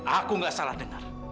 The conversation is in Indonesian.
aku gak salah dengar